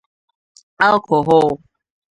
'alcohol'